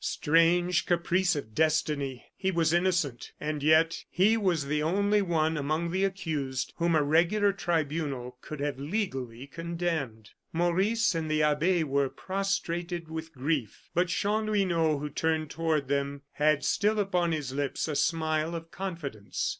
Strange caprice of destiny! He was innocent, and yet he was the only one among the accused whom a regular tribunal could have legally condemned. Maurice and the abbe were prostrated with grief; but Chanlouineau, who turned toward them, had still upon his lips a smile of confidence.